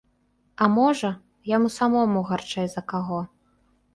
А можа, яму самому гарчэй за каго.